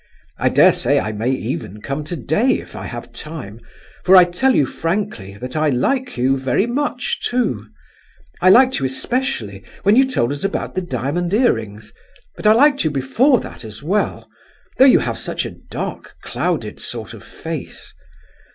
I dare say I may even come today if I have time, for I tell you frankly that I like you very much too. I liked you especially when you told us about the diamond earrings; but I liked you before that as well, though you have such a dark clouded sort of face.